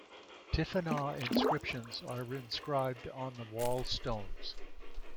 Tifinagh inscriptions are inscribed on the wall stones.